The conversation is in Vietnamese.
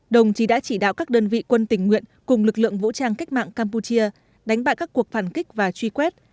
đồng chí đã chỉ đạo các đơn vị quân tình nguyện cùng lực lượng vũ trang cách mạng campuchia đánh bại các cuộc phản kích và truy quét